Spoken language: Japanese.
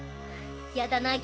やだなぁ